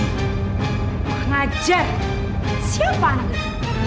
mengajar siapa anak itu